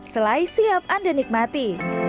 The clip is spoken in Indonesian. selai siap anda nikmati